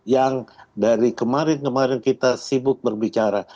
yang dari kemarin kemarin kita selalu mengatakan